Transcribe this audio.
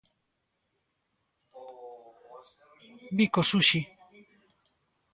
Bicos, Uxi.